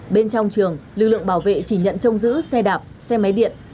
bên trong trường lực lượng bảo vệ chỉ nhận trông giữ xe đạp xe máy điện